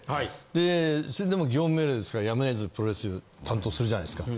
でそれでも業務命令ですからやむを得ずプロレス担当するじゃないですか。